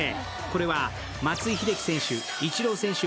これは松井秀喜選手